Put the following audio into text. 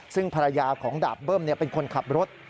ซึ่งภรรยาของดาบเบิ้มเป็นคนขับรถ